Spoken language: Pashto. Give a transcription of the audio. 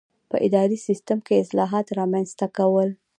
په اداري سیسټم کې اصلاحات رامنځته کول.